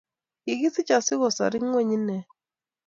Kigisich asigosor ingweny inee